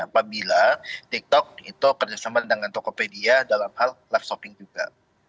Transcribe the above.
apabila tiktok itu kerjasama dengan tokopedia dalam hal live shopping juga